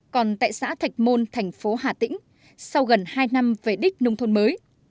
còn tại xã thạch môn thành phố hà tĩnh sau gần hai năm về đích nông thôn mới